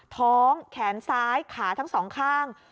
ท้องแขนซ้ายขาทั้งสองข้าง